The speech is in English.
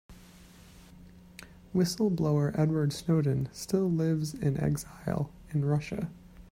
Whistle-blower Edward Snowden still lives in exile in Russia.